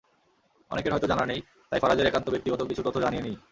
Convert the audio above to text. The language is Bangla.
অনেকের হয়তো জানা নেই, তাই ফারাজের একান্ত ব্যক্তিগত কিছু তথ্য জানিয়ে নিই।